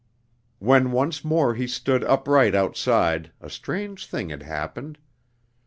When once more he stood upright outside a strange thing had happened.